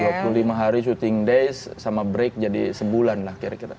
dua puluh lima hari syuting days sama break jadi sebulan lah kira kira